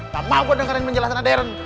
gak mau gue dengerin penjelasan dari darren